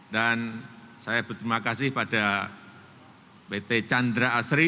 dan saya berterima kasih pada pt chandra asri